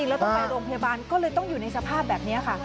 แล้วต้องไปโรงพยาบาลก็เลยต้องอยู่ในสภาพแบบนี้ค่ะ